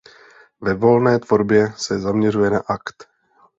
Ve volné tvorbě se zaměřuje na akt.